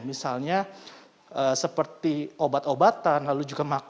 misalnya seperti obat obatan lalu juga makanan nanti akan ditaruh disini